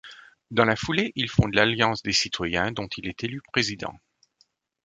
Dans la foulée, il fonde l'Alliance des citoyens, dont il est élu président.